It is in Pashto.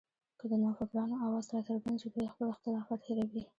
که د نوفکرانو اواز راڅرګند شي، دوی خپل اختلافات هېروي